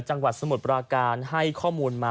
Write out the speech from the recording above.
จังหวัดสมุทรปราการให้ข้อมูลมา